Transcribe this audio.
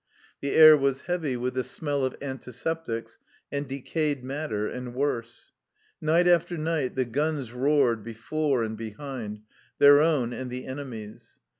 The air was heavy with the smell of antiseptics and decayed matter and worse! Night after night the guns roared before and behind their own and the enemies'.